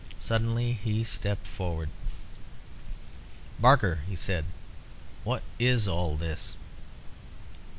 Suddenly he stepped forward. "Barker," he said, "what is all this?"